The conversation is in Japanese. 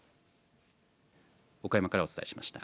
岡山からお伝えしました。